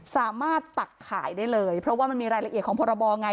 ตักขายได้เลยเพราะว่ามันมีรายละเอียดของพรบไง